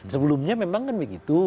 sebelumnya memang kan begitu